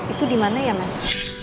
itu dimana ya mas